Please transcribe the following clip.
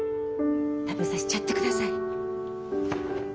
食べさしちゃってください。